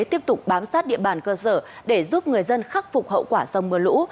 đã quan sát địa bàn cơ sở để giúp người dân khắc phục hậu quả sông mưa lũ